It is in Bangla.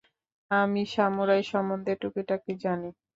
আমি সামুরাই সম্বন্ধে টুকিটাকি জানি।